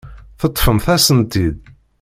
Teṭṭfemt-asen-tt-id.